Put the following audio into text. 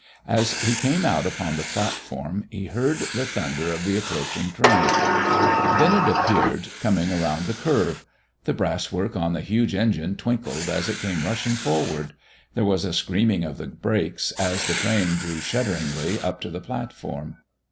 As he came out upon the platform he heard the thunder of the approaching train. Then it appeared, coming around the curve. The brass work on the huge engine twinkled as it came rushing forward. There was a screaming of the brakes as the train drew shudderingly up to the platform.